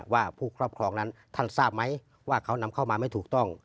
ว่าผู้ครอบครองนั้นท่านทราบไหมว่าเขานำเข้ามาไม่ถูกต้อง